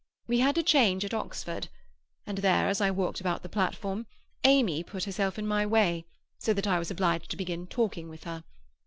We had to change at Oxford, and there, as I walked about the platform, Amy put herself in my way, so that I was obliged to begin talking with her.